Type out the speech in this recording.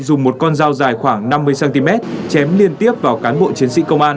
dùng một con dao dài khoảng năm mươi cm chém liên tiếp vào cán bộ chiến sĩ công an